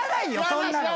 そんなの。